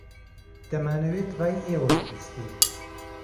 دەمانەوێت ڕای ئێوە ببیستین.